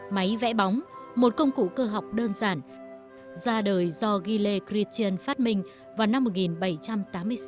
máy vẽ bóng một công cụ cơ học đơn giản ra đời do gile gritian phát minh vào năm một nghìn bảy trăm tám mươi sáu